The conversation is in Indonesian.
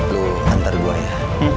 lu nganter gue ya